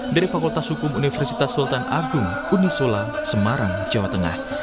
dari fakultas hukum universitas sultan agung uni sola semarang jawa tengah